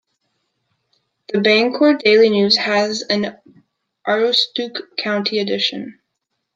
The "Bangor Daily News" has an Aroostook County edition.